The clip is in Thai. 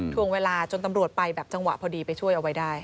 ทวงเวลาจนตำรวจไปแบบจังหวะพอดีไปช่วยเอาไว้ได้